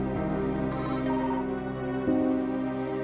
pernah atau tidak